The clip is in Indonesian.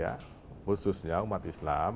khususnya umat islam